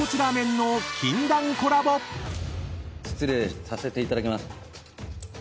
失礼させていただきます。